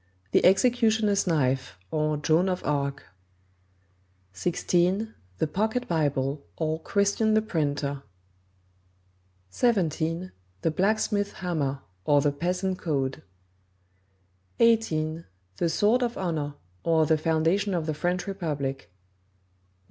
The Executioner's Knife; or, Joan of Arc; 16. The Pocket Bible; or, Christian the Printer; 17. The Blacksmith's Hammer; or, The Peasant Code; 18. The Sword of Honor; or, The Foundation of the French Republic; 19.